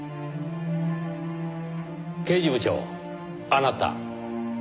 刑事部長あなた。